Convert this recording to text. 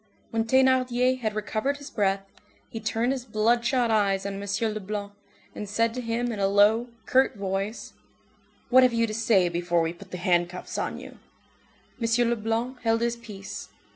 When Thénardier had recovered his breath, he turned his bloodshot eyes on M. Leblanc, and said to him in a low, curt voice:— "What have you to say before we put the handcuffs on you?" M. Leblanc held his peace.